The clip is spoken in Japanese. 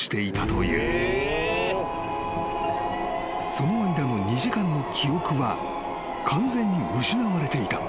［その間の２時間の記憶は完全に失われていた］